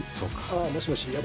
あもしもし？